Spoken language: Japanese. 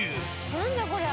何だこりゃ。